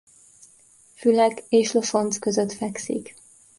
Fülek és Losoncz között fekszik.